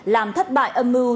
làm thất bại âm mưu